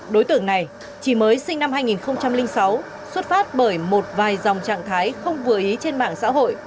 đối tượng này chỉ mới sinh năm hai nghìn sáu xuất phát bởi một vài dòng trạng thái không vừa ý trên mạng xã hội